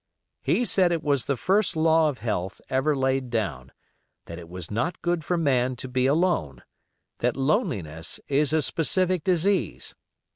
He said it was the first law of health ever laid down, that it was not good for man to be alone; that loneliness is a specific disease.